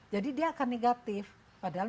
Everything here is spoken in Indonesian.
jadi dia akan negatif padahal